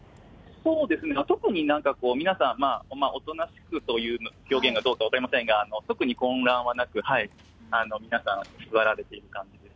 そうですね、特になんかこう、皆さん、大人しくという表現がどうか分かりませんが、特に混乱はなく、皆さん、座られている感じです。